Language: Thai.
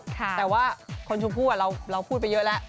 แต่ว่าคนชมพู่เราพูดไปเยอะแล้ว